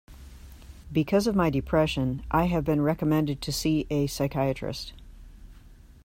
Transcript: Because of my depression, I have been recommended to see a psychiatrist.